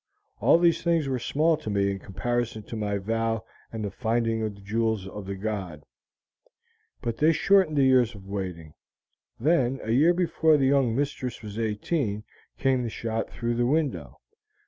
All these things were small to me in comparison to my vow and the finding the jewels of the god, but they shortened the years of waiting. Then a year before the young mistress was eighteen came the shot through the window.